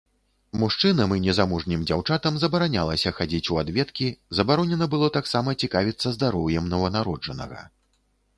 Мужчынам і незамужнім дзяўчатам забаранялася хадзіць у адведкі, забаронена было таксама цікавіцца здароўем нованароджанага.